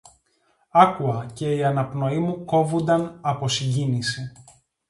Άκουα, και η αναπνοή μου κόβουνταν από συγκίνηση.